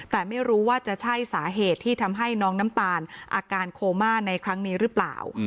แต่ไม่รู้ว่าจะใช่สาเหตุที่ทำให้น้องน้ำตาลอาการโคม่าในครั้งนี้หรือเปล่า